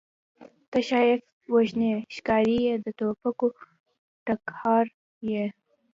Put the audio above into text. ته ښایست وژنې ښکارې یې د توپکو ټکهار یې